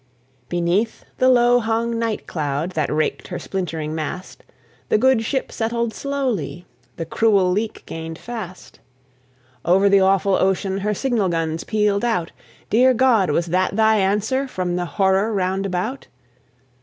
Beneath the low hung night cloud That raked her splintering mast The good ship settled slowly, The cruel leak gained fast. Over the awful ocean Her signal guns pealed out. Dear God! was that Thy answer From the horror round about?